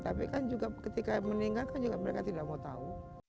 tapi kan juga ketika meninggal kan juga mereka tidak mau tahu